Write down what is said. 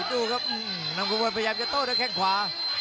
น้ำคบวนพยายามจะโตด้วยแข่งขวา